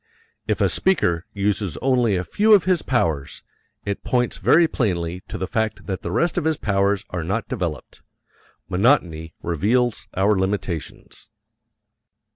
If a speaker uses only a few of his powers, it points very plainly to the fact that the rest of his powers are not developed. Monotony reveals our limitations.